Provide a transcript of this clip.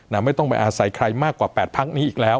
ไม่ต้องไปอาศัยใครมากกว่า๘พักนี้อีกแล้ว